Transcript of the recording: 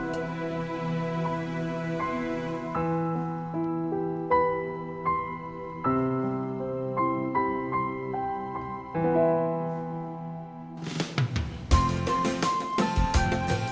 kau udah berangkat